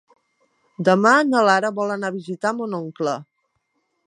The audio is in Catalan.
Demà na Lara vol anar a visitar mon oncle.